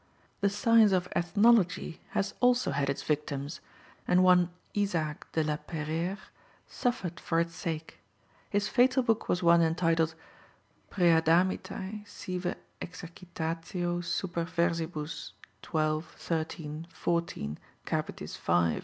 The science of ethnology has also had its victims, and one Isaac de la Peyrère suffered for its sake. His fatal book was one entitled _Praeadamitae, sive exercitatio super versibus xii., xiii., xiv., capitis v.